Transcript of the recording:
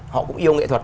họ cũng yêu nghệ thuật